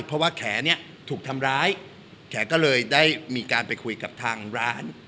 เพราะว่าแขเนี่ยถูกทำร้ายแขก็เลยได้มีการไปคุยกับทางร้าน